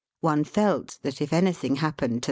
One felt that if anything happened to the VOL.